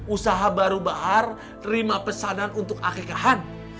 usaha baru bahar terima pesanan untuk akekahan